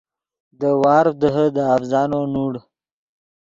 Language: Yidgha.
دے وارڤ دیہے دے اڤزانو نوڑ